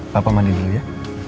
papa mandi dulu ya